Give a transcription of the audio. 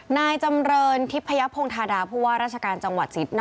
นายจำเรินทิพยพงธาดาผู้ว่าราชการจังหวัด๑๐